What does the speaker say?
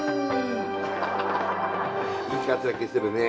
いい活躍してるね。